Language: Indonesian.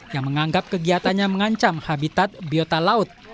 yang menganggap kegiatannya mengancam habitat biota laut